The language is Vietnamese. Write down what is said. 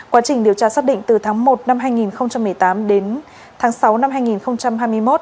quá trình điều tra xác định từ tháng một năm hai nghìn một mươi tám đến tháng sáu năm hai nghìn hai mươi một